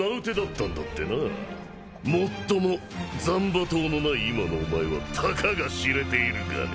もっとも斬馬刀のない今のお前はたかが知れているがね。